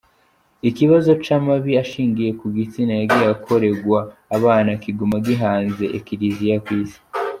Ikibazo c'amabi ashingiye ku gitsina yagiye arakoregwa abana kiguma gihanze Ekleziya kw'isi.